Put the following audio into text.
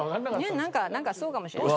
ねえなんかそうかもしれない。